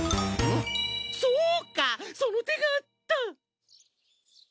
そうかその手があった。